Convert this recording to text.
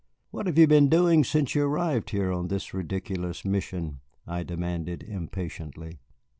"What have you been doing since you arrived here on this ridiculous mission?" I demanded impatiently.